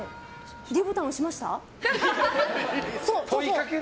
ｄボタン押しました？